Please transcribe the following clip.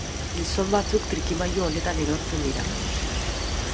Gizon batzuk trikimailu honetan erortzen dira.